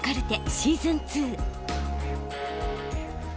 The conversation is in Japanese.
シーズン２。